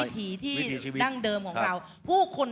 ที่จะเป็นความสุขของชาวบ้าน